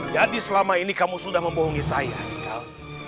jadi selama ini kamu sudah membohongi saya heikal